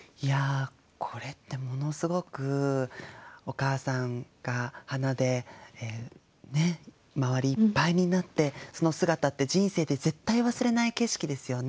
これってものすごくお母さんが花で周りいっぱいになってその姿って人生で絶対忘れない景色ですよね。